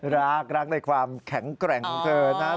รักรักในความแข็งแกร่งของเธอนะ